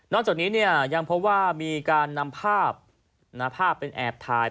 นอกจากนี้เนี่ยยังมีการนำภาพเป็นแอบถ่าย